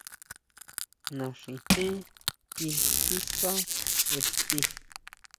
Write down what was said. Naxijén kí siská xti.